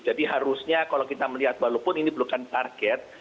jadi harusnya kalau kita melihat walaupun ini bukan target